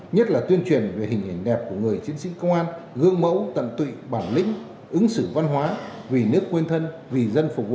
nhất là tuyên truyền về hình hình đẹp của người chiến sĩ công an gương mẫu tận tụy bản lĩnh ứng xử văn hóa vì nước quên thân vì dân phục vụ